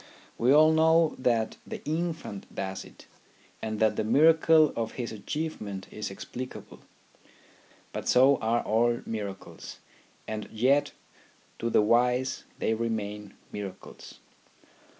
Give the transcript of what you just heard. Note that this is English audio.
We all know that the infant does it, and that the miracle of his achievement is explic able. But so are all miracles, and yet to the wise they remain miracles.